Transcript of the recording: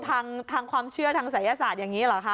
ทางความเชื่อทางศัยศาสตร์อย่างนี้เหรอคะ